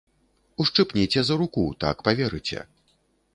Ушчыпніце за руку, так паверыце.